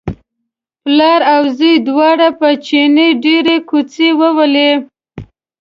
پلار او زوی دواړو په چیني ډېرې کوچې وویلې.